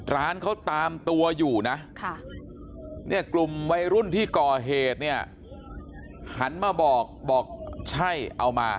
ร้านเขาตามตัวอยู่นะเนี่ยกลุ่มวัยรุ่นที่ก่อเหตุเนี่ยหันมาบอกบอกใช่เอามา